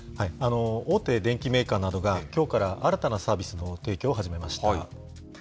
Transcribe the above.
大手電機メーカーなどがきょうから新たなサービスの提供を始めました。